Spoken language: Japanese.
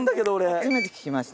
初めて聞きました。